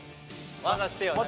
技してよ。